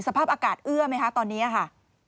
สภาพอากาศเอื้อไหมคะตอนนี้ค่ะ